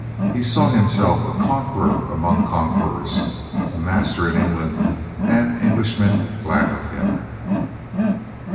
He saw himself a conqueror among the con querors, a master in England and Englishmen glad of him.